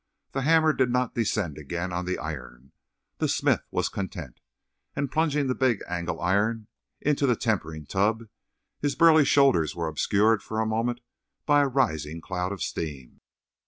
The hammer did not descend again on the iron; the smith was content, and plunging the big angle iron into the tempering tub, his burly shoulders were obscured for a moment by a rising cloud of steam.